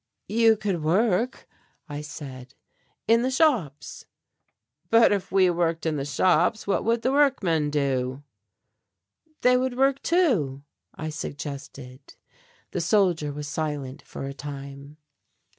"You could work," I said, "in the shops." "But if we worked in the shops, what would the workmen do?" "They would work too," I suggested. The soldier was silent for a time.